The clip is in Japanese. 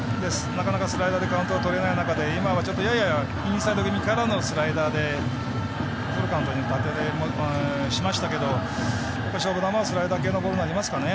なかなかスライダーでカウントがとれない中で今はちょっとややインサイド気味からのスライダーでフルカウントにしましたけども勝負球はスライダー系のボールになりますかね。